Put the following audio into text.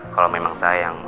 kalau memang saya yang